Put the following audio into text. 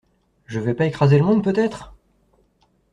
Je vais pas écraser le monde, peut-être?